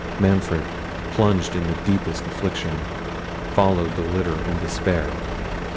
Manfred, plunged in the deepest affliction, followed the litter in despair.